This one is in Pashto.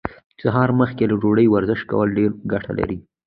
سهار مخکې له ډوډۍ ورزش کول ډيره ګټه لري.